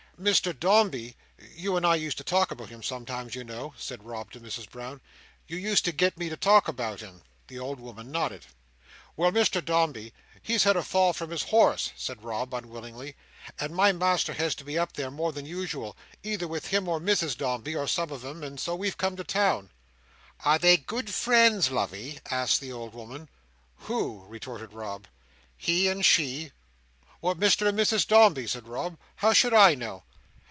"Mr Dombey—you and I used to talk about him, sometimes, you know," said Rob to Mrs Brown. "You used to get me to talk about him." The old woman nodded. "Well, Mr Dombey, he's had a fall from his horse," said Rob, unwillingly; "and my master has to be up there, more than usual, either with him, or Mrs Dombey, or some of 'em; and so we've come to town." "Are they good friends, lovey?" asked the old woman. "Who?" retorted Rob. "He and she?" "What, Mr and Mrs Dombey?" said Rob. "How should I know!"